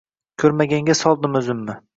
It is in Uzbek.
Ko’rmaganga soldim o’zimni